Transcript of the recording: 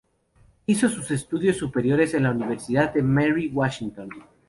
Hizo sus estudios superiores en la Universidad de Mary Washington.